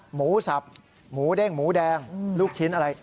หมูสับหมูเด้งหมูแดงลูกชิ้นอะไร